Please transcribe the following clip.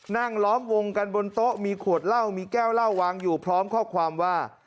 ล้อมวงกันบนโต๊ะมีขวดเหล้ามีแก้วเหล้าวางอยู่พร้อมข้อความว่า